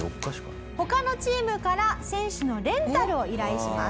他のチームから選手のレンタルを依頼します。